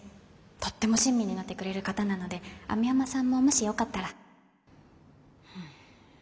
とっても親身になってくれる方なので網浜さんももしよかったら。